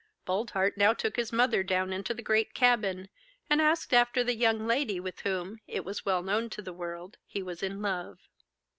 Boldheart now took his mother down into the great cabin, and asked after the young lady with whom, it was well known to the world, he was in love.